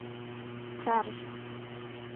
Чарыш.